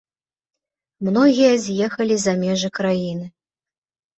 Многія з'ехалі за межы краіны.